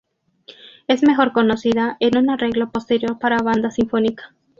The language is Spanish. Es mejor conocida en un arreglo" posterior para banda sinfónica.